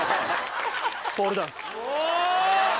ポールダンス！